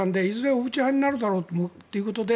小渕派になるだろうということで